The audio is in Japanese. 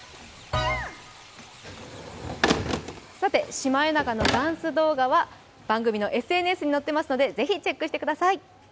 シマエナガのダンス動画は番組のＳＮＳに載っていますので、ぜひチェックしてください。